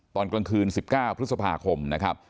ตอนกลางคืน๑๙พฤษภาคมนะครับ